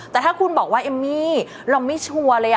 แต่ถ้าคุณบอกว่าเอมมี่เราไม่ชัวร์เลย